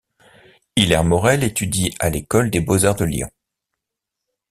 Hilaire Morel étudie à l'école des beaux-arts de Lyon.